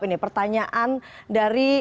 ini pertanyaan dari